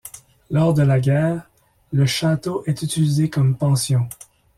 Lors de la guerre, le château est utilisé comme pension.